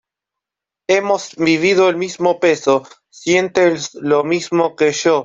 hemos vivido el mismo peso, sientes lo mismo que yo.